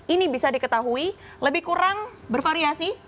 ini bisa diketahui lebih kurang bervariasi